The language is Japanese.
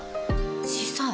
小さい。